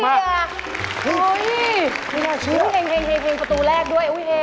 ไม่น่าเชื่อเฮ่ยประตูแรกด้วยอุ๊ยเฮ่ย